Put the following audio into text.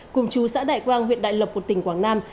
cùng chú xã đại quang huyện đại lập tỉnh quảng nam